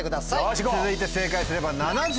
続いて正解すれば。